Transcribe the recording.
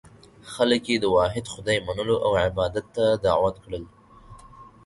خلک یې د واحد خدای منلو او عبادت ته دعوت کړل.